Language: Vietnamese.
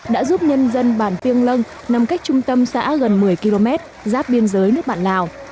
đã giúp nhân dân bản piêng lân nằm cách trung tâm xã gần một mươi km giáp biên giới nước bạn lào